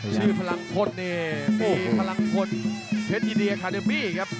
ชื่อพลังพลนี่พลังพลเพชรอีเดียคาเดมี่ครับ